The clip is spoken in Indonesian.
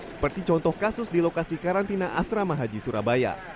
seperti contoh kasus di lokasi karantina asrama haji surabaya